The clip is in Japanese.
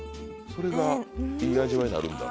それがいい味わいになるんだ。